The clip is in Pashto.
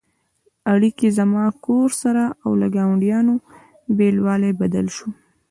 اړیکې «زما کور» سره او له ګاونډیانو بېلوالی بدل شو.